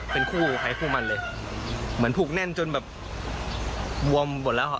เป็นคู่ไฟคู่มันเลยมันผูกแน่นจนแบบวอมหมดแล้ว